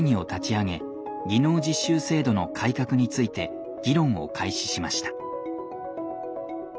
技能実習制度の改革について議論を開始しました。